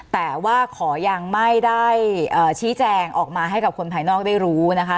แต่ว่าขอยังไม่ได้ชี้แจงออกมาให้กับคนภายนอกได้รู้นะคะ